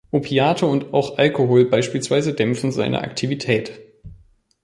Opiate und auch Alkohol beispielsweise dämpfen seine Aktivität.